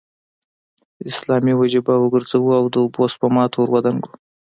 اسلامي وجیبه وګرځو او د اوبو سپما ته ور ودانګو.